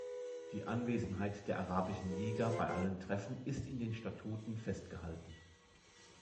Die Anwesenheit der Arabischen Liga bei allen Treffen ist in den Statuten festgehalten.